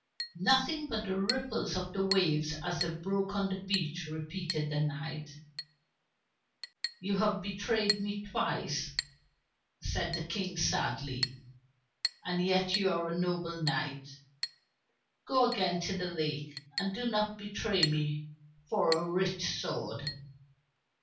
"Nothing but the ripples of the waves as they broke on the beach," repeated the knight. "You have betrayed me twice," said the King sadly, "and yet you are a noble knight! Go again to the lake, and do not betray me for a rich sword."